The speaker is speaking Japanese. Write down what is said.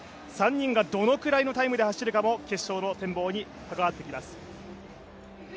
３人がどのくらいのタイムで走るかも決勝の展望に関わってきます。